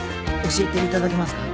教えていただけますか？